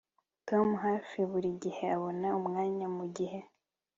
Tom hafi buri gihe abona umwanya mugihe